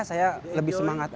saya lebih semangat